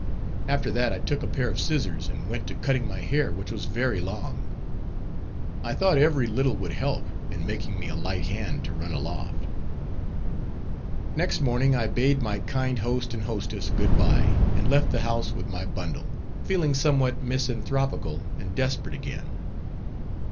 After that, I took a pair of scissors and went to cutting my hair, which was very long. I thought every little would help, in making me a light hand to run aloft. Next morning I bade my kind host and hostess good by, and left the house with my bundle, feeling somewhat misanthropical and desperate again.